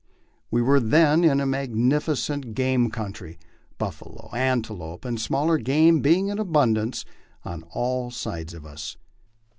We were then in a magnificent game country, buffalo, antelope, and smaller game being in abundance on all sides of us.